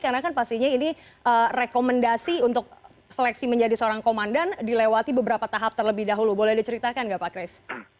karena kan pastinya ini rekomendasi untuk seleksi menjadi seorang komandan dilewati beberapa tahap terlebih dahulu boleh diceritakan nggak pak kris